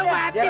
si botak mati